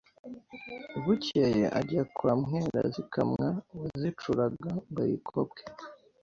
Bukeye ajya kwa Mpwerazikamwa wazicuraga ngo ayikopwe